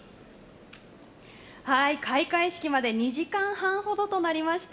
開会式まで２時間半ほどとなりました。